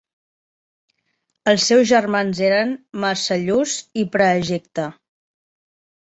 Els seus germans eren Marcellus i Praejecta.